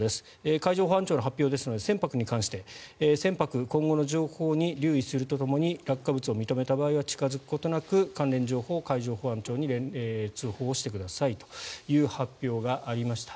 海上保安庁の発表ですので船舶に関して船舶今後の情報に留意するとともに落下物を認めた場合は近付くことなく、関連情報を海上保安庁に通報してくださいという発表がありました。